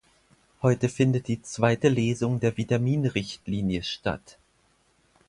Heute findet die zweite Lesung der Vitamin-Richtlinie statt.